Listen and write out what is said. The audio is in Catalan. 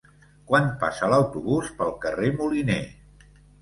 Quan passa l'autobús pel carrer Moliné?